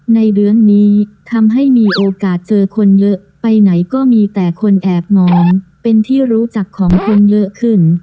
ในเรื่องนี้ทำให้มีโอกาสเจอคนเยอะไปไหนก็มีแต่คนแอบมองเป็นที่รู้จักของคนเยอะขึ้น